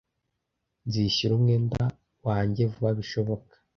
Nzishyura umwenda wanjye vuba bishoboka.